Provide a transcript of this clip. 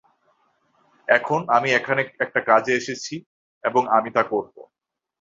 এখন, আমি এখানে একটা কাজে এসেছি, এবং আমি তা করবো।